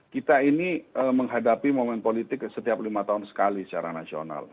kita ini menghadapi momen politik setiap lima tahun sekali secara nasional